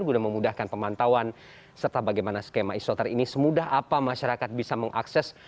guna memudahkan pemantauan serta bagaimana skema isoter ini semudah apa masyarakat bisa mengakses